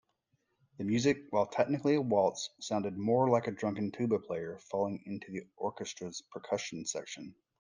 The music, while technically a waltz, sounded more like a drunken tuba player falling into the orchestra's percussion section.